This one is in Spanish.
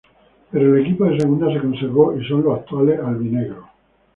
Pero el equipo de Segunda se conservó y son los actuales albinegros.